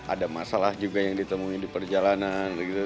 ada masalah juga yang ditemui di perjalanan gitu